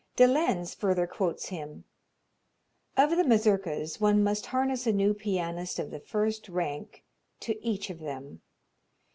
De Lenz further quotes him: "Of the Mazurkas, one must harness a new pianist of the first rank to each of them."